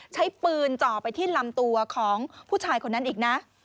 ใช้ปืนจ่อไปที่ลำตัวของผู้ชายคนนั้นอีกนะ